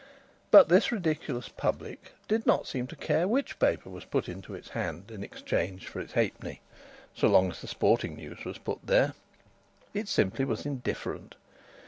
But this ridiculous public did not seem to care which paper was put into its hand in exchange for its halfpenny, so long as the sporting news was put there. It simply was indifferent.